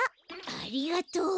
ありがとう。